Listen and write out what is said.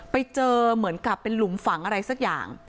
ไปเจอเหมือนกับเป็นหลุมฝังอะไรสักอย่าง